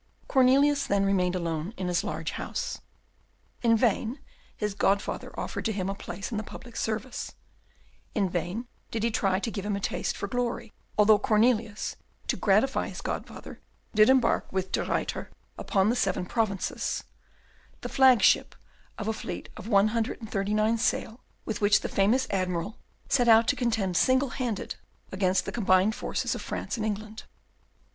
Cornelius then remained alone in his large house. In vain his godfather offered to him a place in the public service, in vain did he try to give him a taste for glory, although Cornelius, to gratify his godfather, did embark with De Ruyter upon "The Seven Provinces," the flagship of a fleet of one hundred and thirty nine sail, with which the famous admiral set out to contend singlehanded against the combined forces of France and England.